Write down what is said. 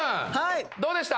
どうでした？